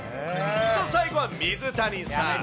さあ、最後は水谷さん。